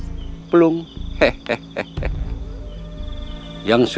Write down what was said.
aku akan menolongmu